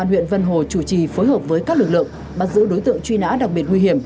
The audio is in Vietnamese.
huyện vân hồ chủ trì phối hợp với các lực lượng bắt giữ đối tượng truy nã đặc biệt nguy hiểm